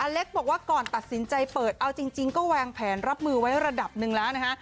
เล็กบอกว่าก่อนตัดสินใจเปิดเอาจริงก็วางแผนรับมือไว้ระดับหนึ่งแล้วนะฮะ